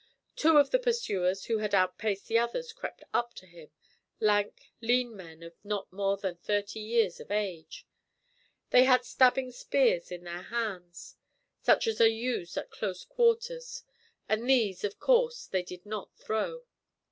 Two of the pursuers who had outpaced the others crept up to him lank, lean men of not more than thirty years of age. They had stabbing spears in their hands, such as are used at close quarters, and these of course they did not throw.